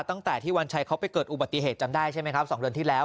ตั้งแต่ที่วันชัยเขาไปเกิดอุบัติเหตุจำได้ใช่ไหมครับ๒เดือนที่แล้ว